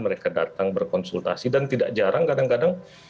mereka datang berkonsultasi dan tidak jarang kadang kadang